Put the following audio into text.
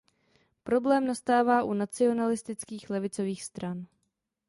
Problém nastává u nacionalistických levicových stran.